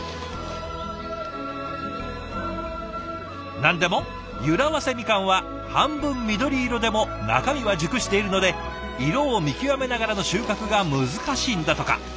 何でもゆら早生みかんは半分緑色でも中身は熟しているので色を見極めながらの収穫が難しいんだとか。